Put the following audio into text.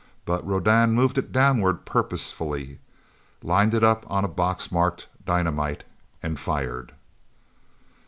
But Rodan moved it downward purposefully, lined it up on a box marked dynamite, and fired.